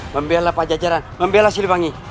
membela pajajaran membelah silbangi